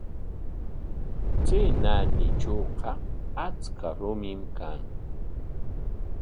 Chay naanitrawqa achka rumim kan.